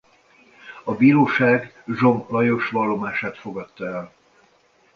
A bíróság Zsom Lajos vallomását fogadta el.